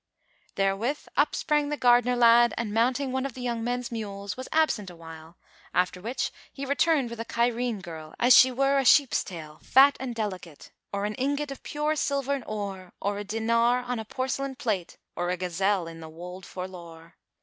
'"[FN#421] Therewith up sprang the gardener lad and mounting one of the young men's mules, was absent awhile, after which he returned with a Cairene girl, as she were a sheep's tail, fat and delicate, or an ingot of pure silvern ore or a dinar on a porcelain plate or a gazelle in the wold forlore.